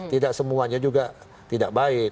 tidak semuanya juga tidak baik